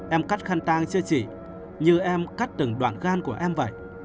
em cắt khăn tang cho chị như em cắt từng đoạn gan của em vậy